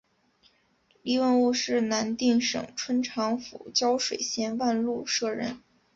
黎文敔是南定省春长府胶水县万禄社人。